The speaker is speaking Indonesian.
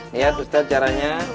niat ustad caranya